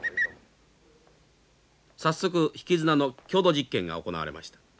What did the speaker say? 早速引き綱の強度実験が行われました。